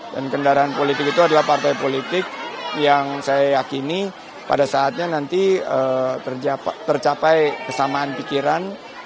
dan kendaraan politik itu adalah partai politik yang saya yakini pada saatnya nanti tercapai kesamaan pikiran